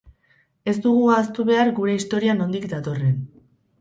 Ez dugu ahaztu behar gure historia nondik datorren.